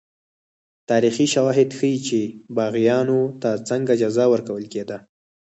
تاریخي شواهد ښيي چې باغیانو ته څنګه جزا ورکول کېده.